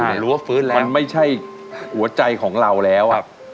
มันไม่ใช่หัวใจของเราแล้ว